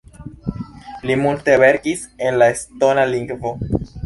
Li multe verkis en la estona lingvo.